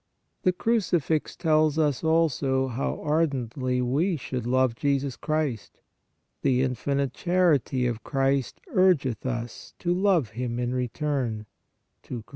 The Crucifix tells us also how ardently we should love Jesus Christ: "The (infinite) charity of Christ urgeth us" (to love Him in return) (II Cor.